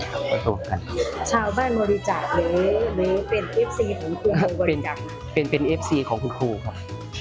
ชาวบ้านบริจาคหรือเป็นแอฟซีของคุณตัวบริจาค